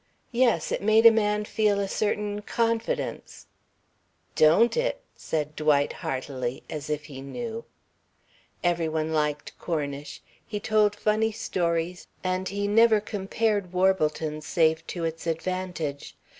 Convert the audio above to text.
Yes, it made a man feel a certain confidence.... "Don't it?" said Dwight heartily, as if he knew. Every one liked Cornish. He told funny stories, and he never compared Warbleton save to its advantage.